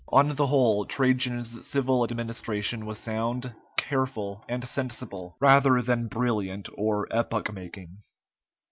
On the whole, Trajan's civil administration was sound, careful, and sensible, rather than brilliant or epoch making.